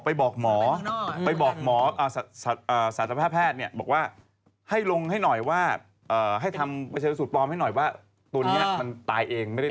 เป็นลมตายอะไรอะไรเงี้ยช็อคตาย